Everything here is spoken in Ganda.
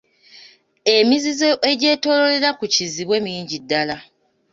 Emizizo egyetooloolera ku Kizibwe mingi ddala.